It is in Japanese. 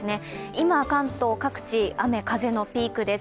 今、関東各地、雨・風のピークです。